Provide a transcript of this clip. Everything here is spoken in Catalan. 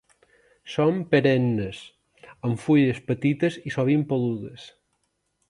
Són perennes, amb fulles petites i sovint peludes.